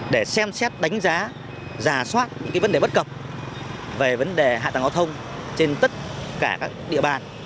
để xem xét đánh giá rà soát những vấn đề bất cập về vấn đề hạ tầng giao thông trên tất cả các địa bàn trong tỉnh hà nam